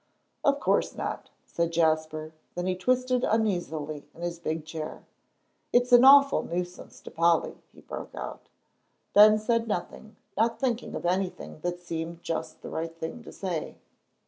"Of course not," said Jasper, then he twisted uneasily in his big chair. "It's an awful nuisance to Polly," he broke out. Ben said nothing, not thinking of anything that seemed just the right thing to say.